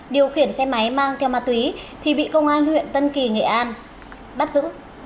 điều khiển xe máy mang theo ma túy thì bị công an huyện tân kỳ nghệ an bắt giữ